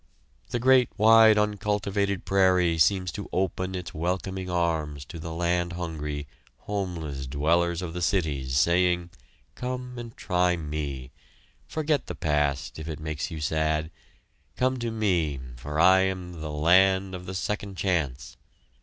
The great wide uncultivated prairie seems to open its welcoming arms to the land hungry, homeless dwellers of the cities, saying: "Come and try me. Forget the past, if it makes you sad. Come to me, for I am the Land of the Second Chance.